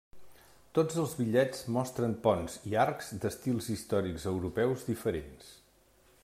Tots els bitllets mostren ponts i arcs d'estils històrics europeus diferents.